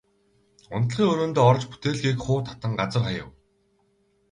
Унтлагын өрөөндөө орж бүтээлгийг хуу татан газар хаяв.